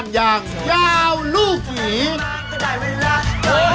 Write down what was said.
ก็นานอย่างยาวลูกหญิง